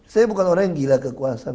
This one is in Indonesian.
saya bukan orang yang gila kekuasaan